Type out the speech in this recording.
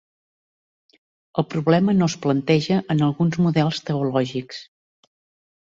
El problema no es planteja en alguns models teològics.